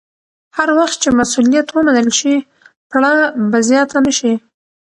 هر وخت چې مسوولیت ومنل شي، پړه به زیاته نه شي.